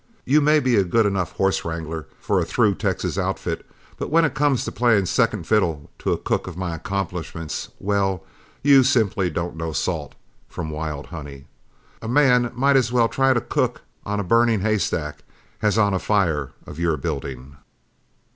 You may be a good enough horse wrangler for a through Texas outfit, but when it comes to playing second fiddle to a cook of my accomplishments well, you simply don't know salt from wild honey. A man might as well try to cook on a burning haystack as on a fire of your building."